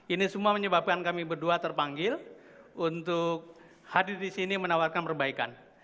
ini semua menyebabkan kami berdua terpanggil untuk hadir di sini menawarkan perbaikan